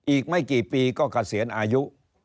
อีกไม่กี่ปีก็เกษียณอายุ